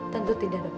tentu tidak dokter